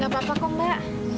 gak apa apa kok mbak